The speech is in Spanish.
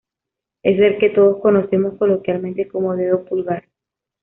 Es el que todos conocemos coloquialmente como "dedo pulgar".